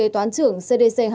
sáu trần t obese